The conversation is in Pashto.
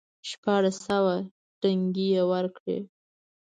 شپاړس سوه ټنګې یې ورکړې.